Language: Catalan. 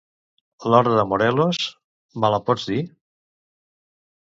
L'hora de Morelos, me la pots dir?